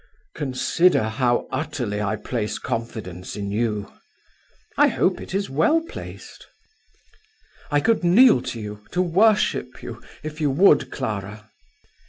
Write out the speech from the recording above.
"Consider how utterly I place confidence in you." "I hope it is well placed." "I could kneel to you, to worship you, if you would, Clara!"